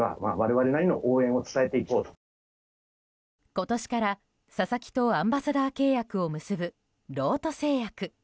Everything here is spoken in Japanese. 今年から佐々木とアンバサダー契約を結ぶロート製薬。